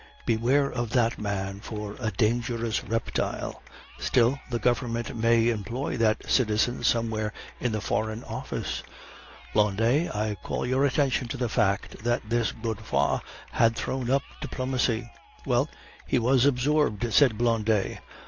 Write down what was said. Beware of that man for a dangerous reptile. Still, the Government may employ that citizen somewhere in the Foreign Office. Blondet, I call your attention to the fact that this Godefroid had thrown up diplomacy." "Well, he was absorbed," said Blondet.